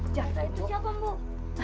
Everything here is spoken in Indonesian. jatah itu siapa mbok